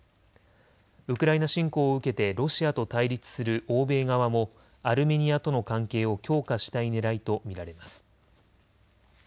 ウクライナ侵攻を受けてロシアと対立する欧米側もアルメニアとの関係を強化したいねらいと見られます。